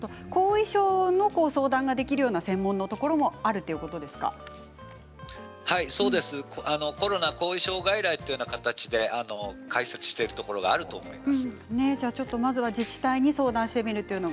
後遺症の相談ができるような専門のところもコロナ後遺症外来という形で開設してるところがあると思います。